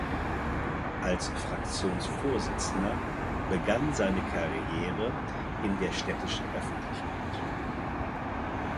Als Fraktionsvorsitzender begann seine Karriere in der städtischen Öffentlichkeit.